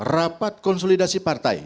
rapat konsolidasi partai